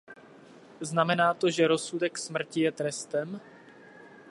Znamená to, že rozsudek smrti je trestem?